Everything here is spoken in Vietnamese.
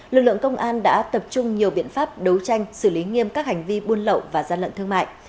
lực lượng công an đã tập trung nhiều biện pháp đấu tranh xử lý nghiêm các hành vi buôn lậu và gian lận thương mại